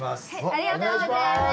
ありがとうございます！